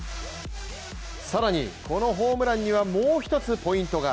更にこのホームランにはもう一つポイントが。